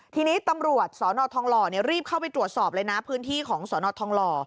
ทีนี้ตำรวจสนทองหล่อรีบเข้าไปตรวจสอบเลยนะพื้นที่ของสนทองหล่อ